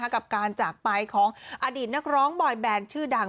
กับการจากไปของอดีตนักร้องบอยแบนชื่อดัง